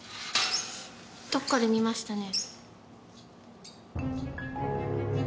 どっかで見ましたね。